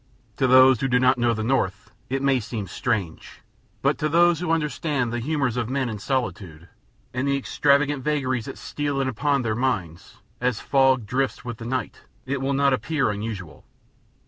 To those who do not know the North it may seem strange, but to those who understand the humors of men in solitude, and the extravagant vagaries that steal in upon their minds, as fog drifts with the night, it will not appear unusual.